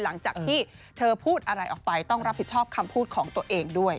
หลังจากที่เธอพูดอะไรออกไปต้องรับผิดชอบคำพูดของตัวเองด้วย